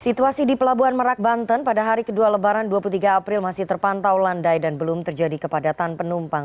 situasi di pelabuhan merak banten pada hari kedua lebaran dua puluh tiga april masih terpantau landai dan belum terjadi kepadatan penumpang